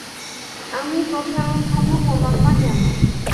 আমি প্রসারণক্ষম হলাম না কেন?